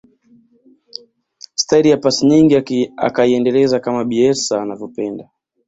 staili ya pasi nyingi akaiendeleza kama bielsa anavyopenda